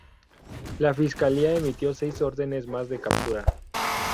La fiscalía emitió seis órdenes más de captura.